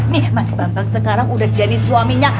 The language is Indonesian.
nih mas bambang sekarang udah jadi suaminya